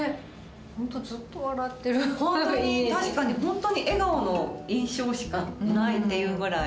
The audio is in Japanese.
確かにホントに笑顔の印象しかないっていうぐらい。